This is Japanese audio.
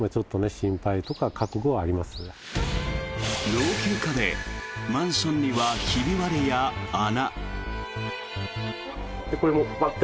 老朽化でマンションにはひび割れや穴。